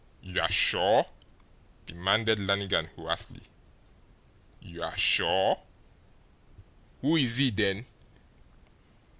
"You're sure?" demanded Lannigan hoarsely. "You're sure? Who is he, then?"